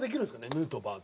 ヌートバーって。